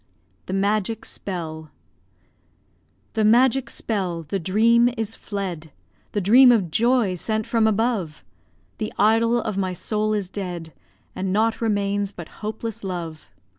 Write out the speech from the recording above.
THE MAGIC SPELL The magic spell, the dream is fled, The dream of joy sent from above; The idol of my soul is dead, And naught remains but hopeless love.